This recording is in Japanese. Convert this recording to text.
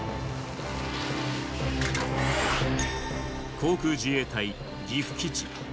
航空自衛隊岐阜基地。